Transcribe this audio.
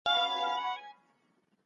ارزښت هغه چاته ورکړه چې ارزښت درکوي.